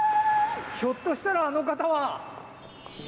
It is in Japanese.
ひょっとしたらあの方は。